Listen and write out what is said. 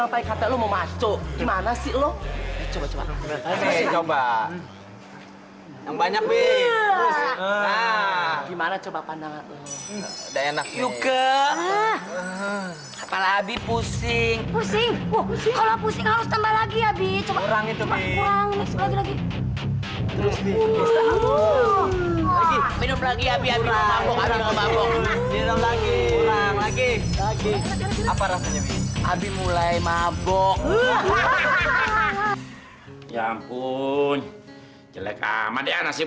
pak cerna ada